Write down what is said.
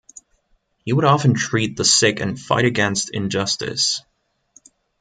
He would often treat the sick and fight against injustice.